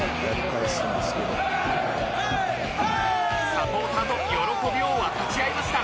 サポーターと喜びを分かち合いました